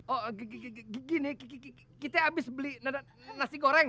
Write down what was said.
oh gini kita habis beli nasi goreng